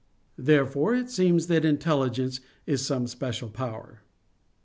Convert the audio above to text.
Therefore it seems that intelligence is some special power.